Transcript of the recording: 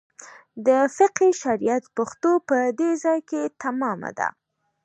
د فقه شریعت پښتو په دې ځای کې تمامه ده.